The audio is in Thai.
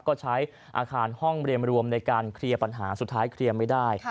ก็ใช้อาคารห้องเรียนรวมในการเคลียร์ปัญหาสุดท้ายเคลียร์ไม่ได้